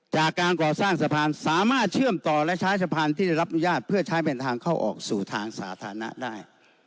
จากการก่อสร้างสะพานสามารถเชื่อมต่อและใช้สะพานที่ได้รับอนุญาตเพื่อใช้เป็นทางเข้าออกสู่ทางสาธารณะได้